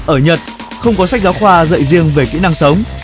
ở nhật không có sách giáo khoa dạy riêng về kỹ năng sống